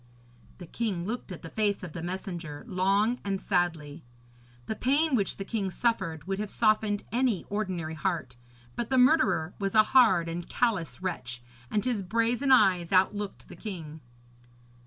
"' The king looked at the face of the messenger long and sadly. The pain which the king suffered would have softened any ordinary heart; but the murderer was a hard and callous wretch, and his brazen eyes outlooked the king.